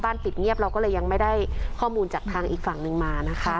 ปิดเงียบเราก็เลยยังไม่ได้ข้อมูลจากทางอีกฝั่งหนึ่งมานะคะ